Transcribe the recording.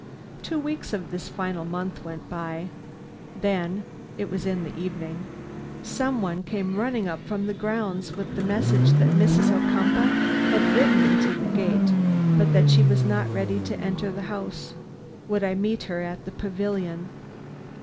Two weeks of this final month went by. Then (it was in the evening) some one came running up from the grounds, with the message that Mrs. Ocumpaugh had ridden into the gate, but that she was not ready to enter the house. Would I meet her at the pavilion?